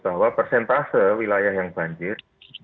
bahwa persentase wilayah yang banjir